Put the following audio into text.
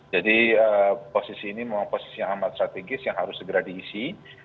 jadi posisi ini memang posisi yang amat strategis yang harus segera diisi